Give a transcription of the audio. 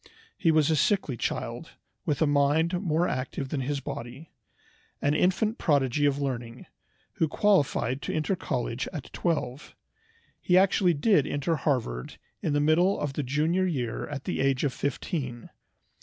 He was a sickly child, with a mind more active than his body, an infant prodigy of learning, who qualified to enter college at twelve. He actually did enter Harvard in the middle of the junior year at the age of fifteen.